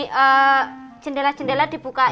terus jendela jendela dibukain